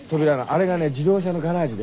あれがね自動車のガレージで。